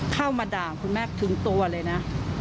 เข้ามาด่าคุณแม่ถึงตัวเลยนะ